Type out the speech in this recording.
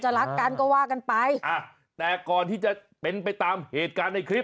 รักกันก็ว่ากันไปอ่ะแต่ก่อนที่จะเป็นไปตามเหตุการณ์ในคลิป